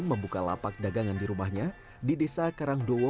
membuka lapak dagangan di rumahnya di desa karangdowo